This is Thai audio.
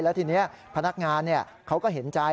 แล้วทีนี้พนักงานเขาก็เห็นใจ